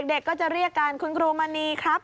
เด็กก็จะเรียกกันคุณครูมณีครับ